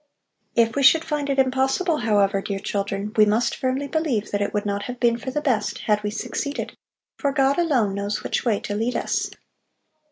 If we should find it impossible, however, dear children, we must firmly believe that it would not have been for the best, had we succeeded, for God alone knows which way to lead us.